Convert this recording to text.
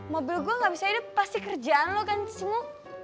mobil gue gak bisa jadi pasti kerjaan lo kan cecungu